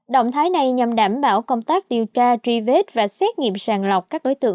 động thái này nhằm đảm bảo công tác điều tra truy vết và xét nghiệm sàng lọc các đối tượng